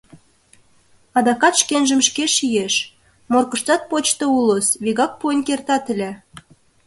Адакат шкенжым шке шиеш: Моркыштат почта улыс, вигак пуэн кертат ыле.